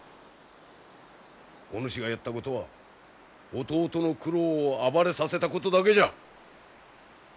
お主がやったことは弟の九郎を暴れさせたことだけじゃ！